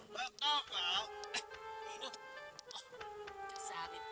tapi mau jual sapi